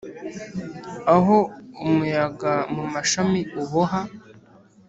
aho umuyaga mumashami uboha